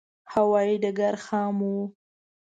هوایې ډګر خام و.